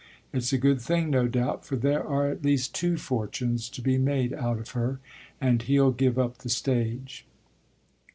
It's a good thing, no doubt, for there are at least two fortunes to be made out of her, and he'll give up the stage."